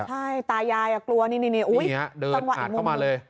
ใช่ตายายกลัวนิดอุ้ยเดินอาดเข้ามาเลย